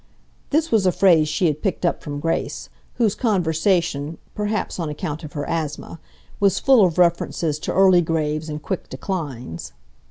This was a phrase she had picked up from Grace, whose conversation, perhaps on account of her asthma, was full of references to early graves and quick declines.